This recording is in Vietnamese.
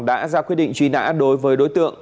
đã ra quyết định truy nã đối với đối tượng